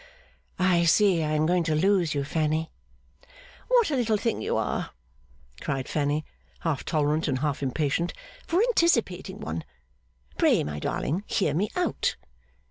'I see I am going to lose you, Fanny.' 'What a little thing you are,' cried Fanny, half tolerant and half impatient, 'for anticipating one! Pray, my darling, hear me out.